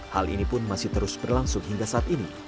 hal ini pun masih terus berlangsung hingga saat ini